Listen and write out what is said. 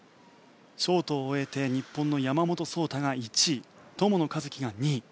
ショートを終えて日本の山本草太が１位友野一希が２位。